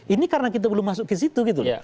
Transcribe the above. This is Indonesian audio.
ini karena kita belum masuk ke situ gitu loh